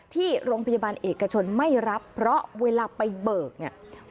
ที่โรงพยาบาลเอกชนไม่รับเพราะเวลาไปเบิกเนี่ย